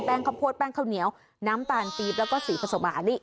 แป้งคอมโพสแป้งข้าวเหนียวน้ำตาลตีบแล้วก็สีผสมอ่านนี่